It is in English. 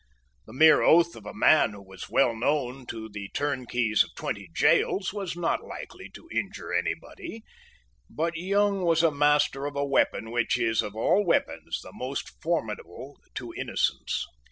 The mere oath of a man who was well known to the turnkeys of twenty gaols was not likely to injure any body. But Young was master of a weapon which is, of all weapons, the most formidable to innocence.